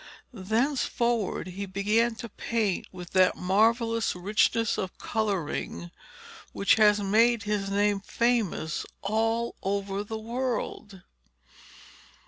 Thenceforward he began to paint with that marvellous richness of colouring which has made his name famous all over the world.